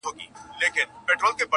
خونه له شنو لوګیو ډکه ډېوه نه بلیږي!!